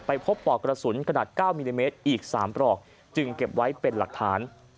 พบปลอกกระสุนขนาด๙มิลลิเมตรอีก๓ปลอกจึงเก็บไว้เป็นหลักฐาน